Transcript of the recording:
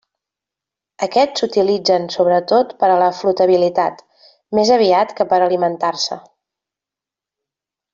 Aquests s'utilitzen sobretot per a la flotabilitat, més aviat que per alimentar-se.